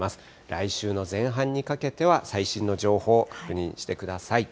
来週の前半にかけては、最新の情報、確認してください。